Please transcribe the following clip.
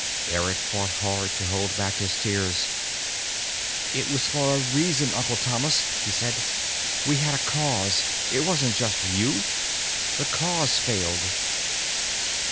Eric fought hard to hold back his tears. "It was for a reason, Uncle Thomas," he said. "We had a cause. It wasn't just you. The cause failed."